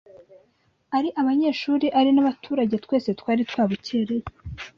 Ari abanyeshuri ari n’abaturage twese twari twabukereye